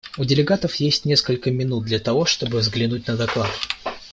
У делегатов есть несколько минут для того, чтобы взглянуть на доклад.